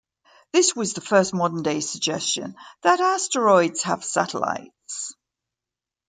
This was the first modern-day suggestion that asteroids have satellites.